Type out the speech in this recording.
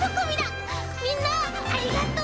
みんなありがとう！